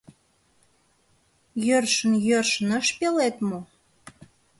Йӧршын, йӧршын ыш пелед мо?